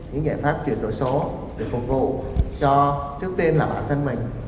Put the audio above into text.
những giải pháp chuyển đổi số để phục vụ cho trước tiên là bản thân mình